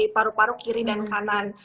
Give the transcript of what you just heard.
paru paru kiri dan kanan